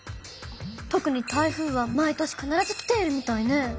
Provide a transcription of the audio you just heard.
とくに台風は毎年かならず来ているみたいね。